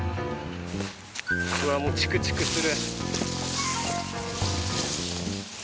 うわっもうチクチクする。